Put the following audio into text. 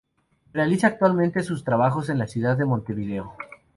Realiza actualmente sus trabajos en la ciudad de Montevideo.